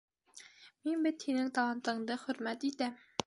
Мин бит һинең талантыңды хөрмәт итәм.